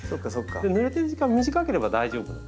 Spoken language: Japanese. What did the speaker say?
ぬれてる時間短ければ大丈夫なんですね。